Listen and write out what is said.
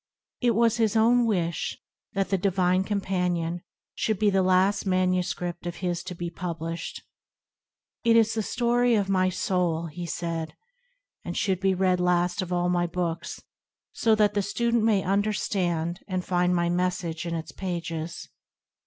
It was his own wish that The Divine Companion should be the last MS of his to be published. " It is the story of my soul," he said, " and should be read last of all my books, so that the student may understand and find my message in its pages.